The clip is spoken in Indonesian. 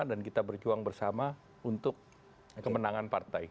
kita berjuang bersama untuk kemenangan partai